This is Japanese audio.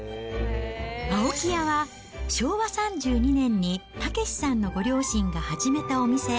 青木屋は昭和３２年に健志さんのご両親が始めたお店。